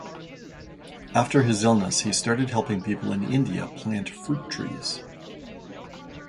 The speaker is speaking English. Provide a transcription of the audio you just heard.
After his illness he started helping people in India plant fruit trees.